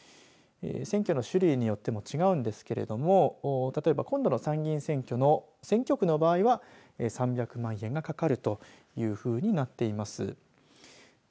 選挙の種類によっても違うんですけれども例えば、今度の参議院選挙区の場合は３００万円がかかるというふうになっています。